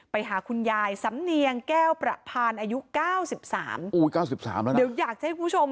ไปหาคุณยายซ้ำเนียงแก้วประพานอายุ๙๓